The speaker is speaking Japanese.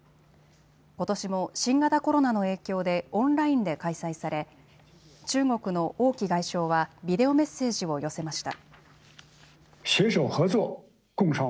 ことしも新型コロナの影響でオンラインで開催され中国の王毅外相はビデオメッセージを寄せました。